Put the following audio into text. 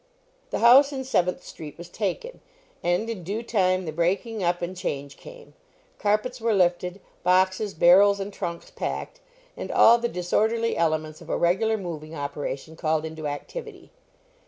The house in Seventh street was taken, and, in due time, the breaking up and change came. Carpets were lifted, boxes, barrels, and trunks packed, and all the disorderly elements of a regular moving operation called into activity.